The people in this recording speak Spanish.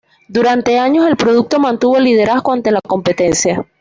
Durante muchos años el producto mantuvo el liderazgo ante la competencia.